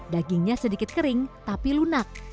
dagingnya sedikit kering tapi lunak